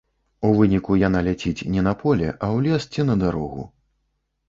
У выніку яна ляціць не на поле, а ў лес ці на дарогу.